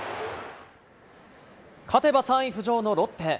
勝てば３位浮上のロッテ。